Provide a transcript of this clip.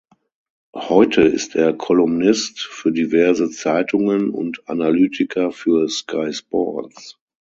Heute ist er Kolumnist für diverse Zeitungen und Analytiker für Sky Sports.